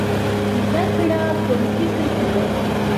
زده کړه په فکر کې ده.